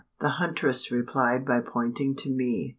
The huntress replied by pointing to me.